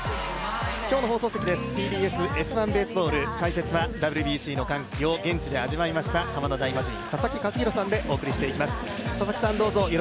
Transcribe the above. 今日の放送席です、ＴＢＳ「Ｓ☆１ＢＡＳＥＢＡＬＬ」解説はＷＢＣの歓喜を現地で味わいましたハマの大魔神・佐々木主浩さんでお送りしていきます。